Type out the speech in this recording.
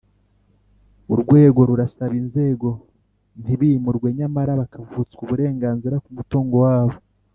Urwego rurasaba inzego ntibimurwe nyamara bakavutswa uburenganzira ku mutungo wabo